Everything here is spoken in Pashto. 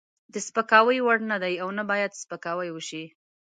د سپکاوي وړ نه دی او نه باید سپکاوی وشي.